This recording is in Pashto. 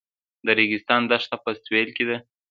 د ریګستان دښته په سویل کې ده